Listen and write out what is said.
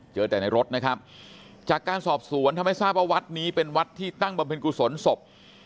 เจอแต่ในรถนะครับจากการสอบสวนทำให้ทราบว่าวัดนี้เป็นวัดที่ตั้งบำเพ็ญกุศลศพ